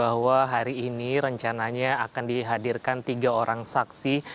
bahwa hari ini rencananya akan dihadirkan tiga orang saksi